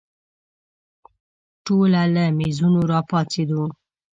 ټوله له مېزونو راپاڅېدو.